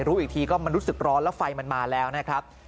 รู้อีกทีก็มันรู้สึกร้อนแล้วไฟมันมาแล้วนะครับ